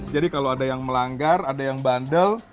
jadi kalau ada yang melanggar ada yang bandel